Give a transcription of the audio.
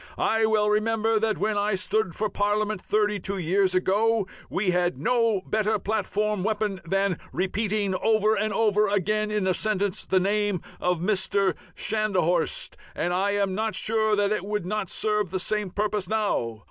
I well remember that when I stood for Parliament thirty two years ago we had no better platform weapon than repeating over and over again in a sentence the name of Mr. Schnadhorst, and I am not sure that it would not serve the same purpose now.